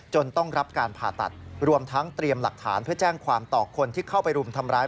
ต้องรับการผ่าตัดรวมทั้งเตรียมหลักฐานเพื่อแจ้งความต่อคนที่เข้าไปรุมทำร้าย